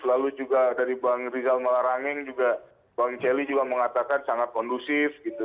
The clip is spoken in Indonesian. lalu juga dari bang rizal malarangeng juga bang celi juga mengatakan sangat kondusif gitu